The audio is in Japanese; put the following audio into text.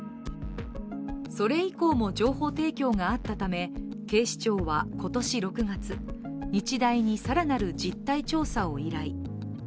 それ以降も情報提供があったため警視庁は今年６月日大に更なる実態調査を依頼。